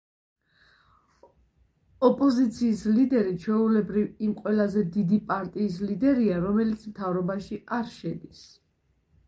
ოპოზიციის ლიდერი ჩვეულებრივ იმ ყველაზე დიდი პარტიის ლიდერია, რომელიც მთავრობაში არ შედის.